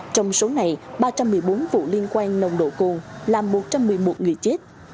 trong số này ba trăm một mươi bốn vụ liên quan nồng độ cồn làm một trăm một mươi một người chết